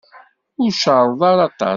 Ur cerreḍ ara aṭas.